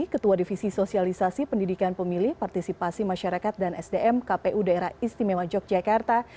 ketua divisi sosialisasi pendidikan pemilih partisipasi masyarakat dan sdm kpu daerah istimewa yogyakarta